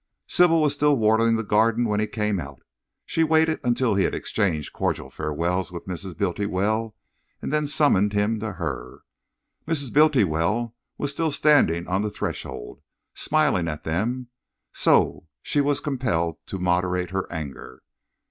Sybil was still watering the garden when he came out. She waited until he had exchanged cordial farewells with Mrs. Bultiwell, and then summoned him to her. Mrs. Bultiwell was still standing on the threshold, smiling at them, so she was compelled to moderate her anger.